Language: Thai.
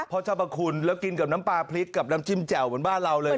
เจ้าพระคุณแล้วกินกับน้ำปลาพริกกับน้ำจิ้มแจ่วเหมือนบ้านเราเลย